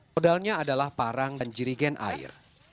pedalnya adalah parang dan jirigen air